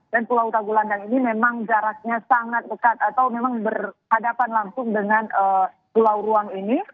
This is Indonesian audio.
dan pulau tagulandang ini memang jaraknya sangat dekat atau memang berhadapan langsung dengan pulau ruang ini